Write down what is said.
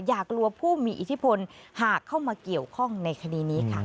อย่ากลัวผู้มีอิทธิพลหากเข้ามาเกี่ยวข้องในคดีนี้ค่ะ